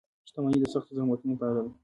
• شتمني د سختو زحمتونو پایله ده.